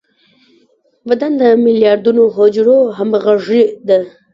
بدن د ملیاردونو حجرو همغږي ده.